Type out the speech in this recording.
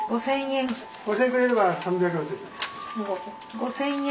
５，０００円。